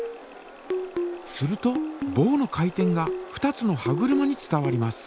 するとぼうの回転が２つの歯車に伝わります。